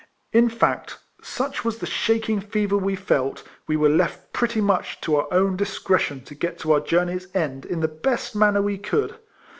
In fact, such was the shaking fever we felt, we were left pretty much to our own discretion to get to our journey's end in the best manner we could.